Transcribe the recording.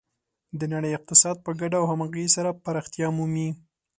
د نړۍ اقتصاد په ګډه او همغږي سره پراختیا مومي.